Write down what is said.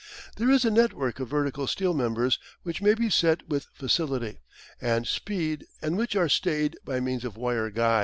There is a network of vertical steel members which may be set with facility and speed and which are stayed by means of wire guys.